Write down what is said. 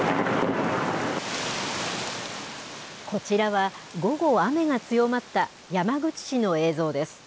こちらは午後、雨が強まった山口市の映像です。